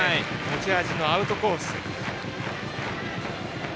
持ち味のアウトコース。